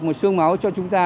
một sương máu cho chúng ta